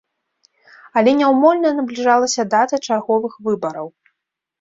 Але няўмольна набліжалася дата чарговых выбараў.